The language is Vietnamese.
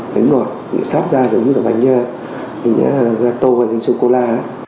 bánh ngọt sát ra giống như là bánh gà tô hay dính sô cô la